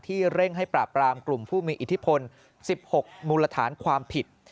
เร่งให้ปราบรามกลุ่มผู้มีอิทธิพล๑๖มูลฐานความผิด